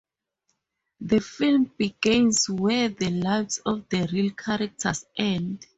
The film begins where the lives of the real characters end.